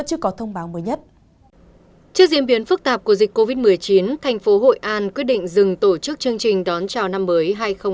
trước diễn biến phức tạp của dịch covid một mươi chín thành phố hội an quyết định dừng tổ chức chương trình đón chào năm mới hai nghìn hai mươi hai